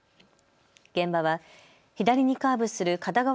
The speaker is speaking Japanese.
現場は左にカーブする片側